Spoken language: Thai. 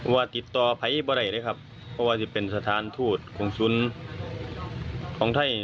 ว่าติดต่อไปไหนบ้างเลยครับเพราะว่าจะเป็นสถานทูตของสุนของไทย